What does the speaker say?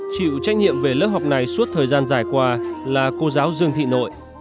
chịu trách nhiệm về lớp học này suốt thời gian dài qua là cô giáo dương thị nội